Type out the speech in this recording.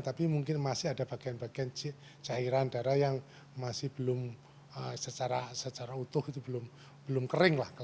tapi mungkin masih ada bagian bagian cairan darah yang masih belum secara utuh itu belum kering lah